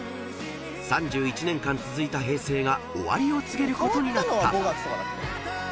［３１年間続いた平成が終わりを告げることになった］